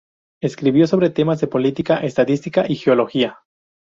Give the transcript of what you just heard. Escribió sobre temas de política, estadística y geología.